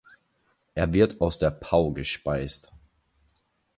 Er wird aus der Pau gespeist.